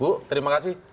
bu terima kasih